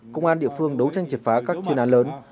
công an địa phương đấu tranh triệt phá các chuyên án lớn